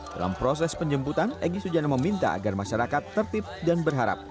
dalam proses penjemputan egy sujana meminta agar masyarakat tertib dan berharap